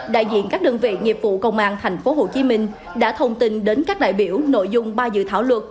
đại diện các đơn vị nghiệp vụ công an tp hcm đã thông tin đến các đại biểu nội dung ba dự thảo luật